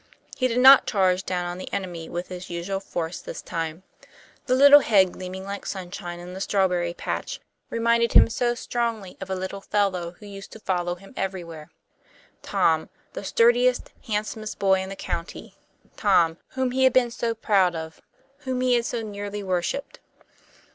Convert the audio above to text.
He did not charge down on the enemy with his usual force this time. The little head, gleaming like sunshine in the strawberry patch, reminded him so strongly of a little fellow who used to follow him everywhere, Tom, the sturdiest, handsomest boy in the county, Tom, whom he had been so proud of, whom he had so nearly worshipped.